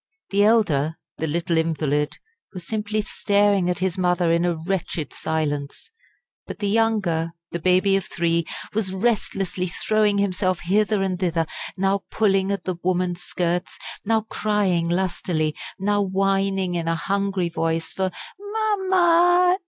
The elder, the little invalid, was simply staring at his mother in a wretched silence; but the younger, the baby of three, was restlessly throwing himself hither and thither, now pulling at the woman's skirts, now crying lustily, now whining in a hungry voice, for "Máma!